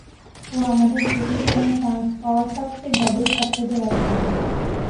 ও আমাদের প্রতিষ্ঠানে চান্স পাওয়া সবচেয়ে গবেট ছাত্রদের একজন।